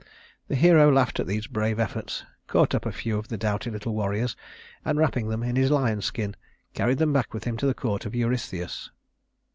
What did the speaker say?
The hero laughed at these brave efforts, caught up a few of the doughty little warriors, and, wrapping them in his lion skin, carried them back with him to the court of Eurystheus.